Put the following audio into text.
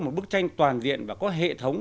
một bức tranh toàn diện và có hệ thống